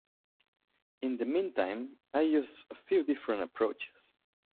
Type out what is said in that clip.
In the meantime, I use a few different approaches.